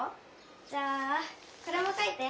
じゃあこれも書いて。